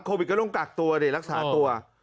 โควิดก็ต้องกักตัวเนี่ยรักษาตัว